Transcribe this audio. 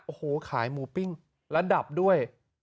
โอ้โหขายหมูปิ้งระดับด้วย